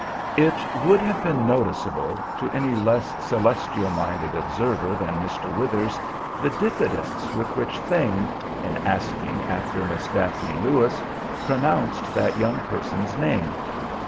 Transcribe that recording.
It would have been noticeable to any less celestial minded observer than Mr. Withers the diffidence with which Thane, in asking after Miss Daphne Lewis, pronounced that young person's name.